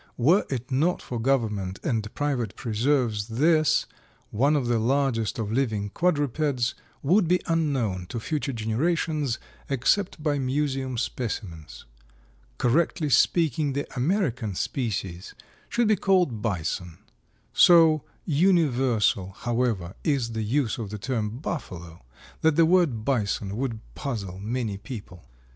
Were it not for government and private preserves this, one of the largest of living quadrupeds, would be unknown to future generations except by museum specimens. Correctly speaking, the American species should be called Bison. So universal, however, is the use of the term Buffalo that the word Bison would puzzle many people.